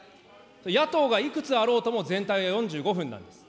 野党がいくつあろうとも、全体は４５分なんです。